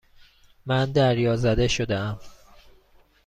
من دریازده شدهام.